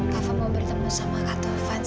kafa mau bertemu sama kata fandas